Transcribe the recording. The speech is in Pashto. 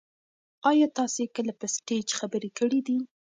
ایا تاسي کله په سټیج خبرې کړي دي؟